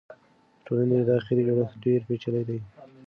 د ټولنې داخلي جوړښت ډېر پېچلی دی.